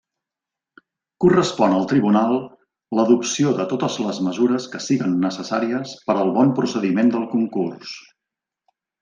Correspon al tribunal l'adopció de totes les mesures que siguen necessàries per al bon procediment del concurs.